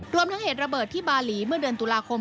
รวมทั้งเหตุระเบิดที่บาหลีเมื่อเดือนตุลาคม